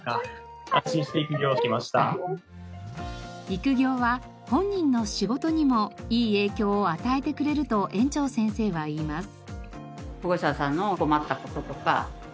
育業は本人の仕事にもいい影響を与えてくれると園長先生は言います。